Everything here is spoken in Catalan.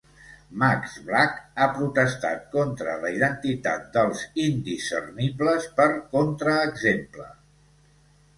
Max Black ha protestat contra la identitat dels indiscernibles per contraexemple.